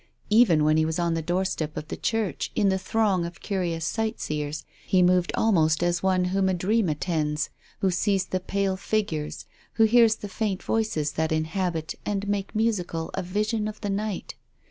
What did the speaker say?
Even when he was on the doorstep of the church in the throng of curious sightseers he moved al most as one whom a dream attends, who sees the pale figures, who hears the faint voices that in habit and make musical a vision of the night.